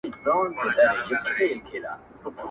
ذخیرې مي کړلې ډیري شین زمری پر جنګېدمه!.